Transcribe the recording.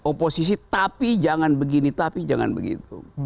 oposisi tapi jangan begini tapi jangan begitu